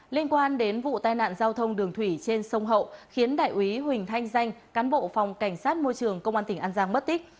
liên quan đến vụ tai nạn giao thông đường thủy trên sông hậu khiến đại úy huỳnh thanh danh cán bộ phòng cảnh sát môi trường công an tỉnh an giang mất tích